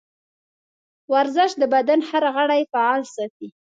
ورزش د بدن هر غړی فعال ساتي.